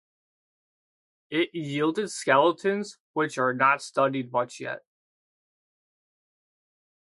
It yielded skeletons which are not studied much yet.